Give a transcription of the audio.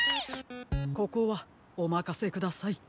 ここはおまかせください。